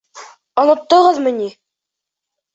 Оноттоғоҙмо ни?